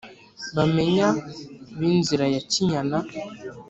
bamenya bi nzira ya kinyana